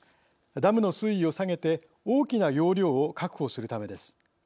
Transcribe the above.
ダムの水位を下げて大きな容量を確保するためです。